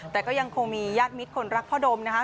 แต่ก็ยังคงมีญาติมิตรคนรักพ่อดมนะคะ